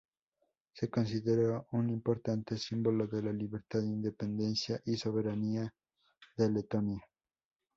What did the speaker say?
Se considera un importante símbolo de la libertad, independencia y soberanía de Letonia.